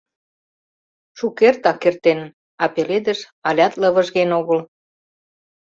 — Шукертак эртен, а пеледыш алят лывыжген огыл...